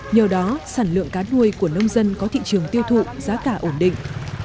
nhờ đó sản lượng cá nuôi của nông dân có thị trường tiêu thụ giá cả ổn định